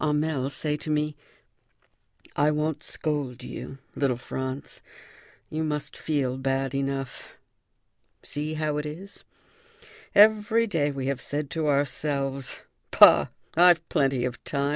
Hamel say to me: "I won't scold you, little Franz; you must feel bad enough. See how it is! Every day we have said to ourselves: 'Bah! I've plenty of time.